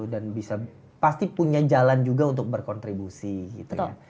dan bisa pasti punya jalan juga untuk berkontribusi gitu ya